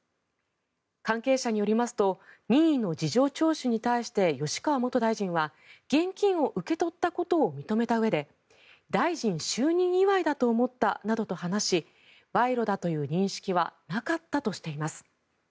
関係者によりますと任意の事情聴取に対して吉川元大臣は現金を受け取ったことを認めたうえで大臣就任祝いだと思ったなどと話し賄賂だという認識はなかったとしています。